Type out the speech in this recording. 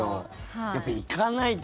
やっぱ行かないと。